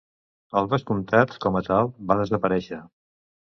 El vescomtat com a tal va desaparèixer.